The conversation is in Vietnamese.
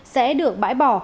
sẽ được bãi bỏ